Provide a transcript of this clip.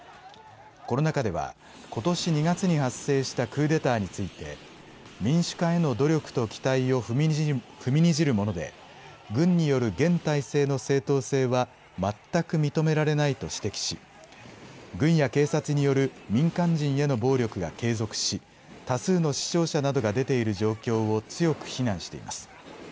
この中ではことし２月に発生したクーデターについて民主化への努力と期待を踏みにじるもので軍による現体制の正当性は全く認められないと指摘し軍や警察による民間人への暴力が継続し多数の死傷者などが出ている状況を強く非難しています。